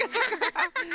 ハッハハハ。